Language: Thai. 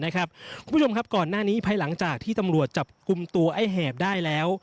คุณผู้ชมครับก่อนหน้านี้ภายหลังจากที่ตำรวจจับกลุ่มตัวไอ้แหบได้แล้ว